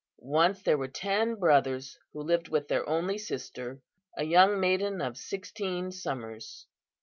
"Once there were ten brothers who lived with their only sister, a young maiden of sixteen summers.